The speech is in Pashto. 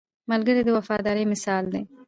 ملګری د وفادارۍ مثال دی